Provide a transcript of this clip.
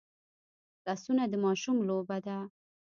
لاسونه د ماشوم لوبه ده